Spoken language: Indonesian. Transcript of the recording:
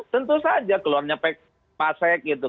tentu saja keluarnya pasek gitu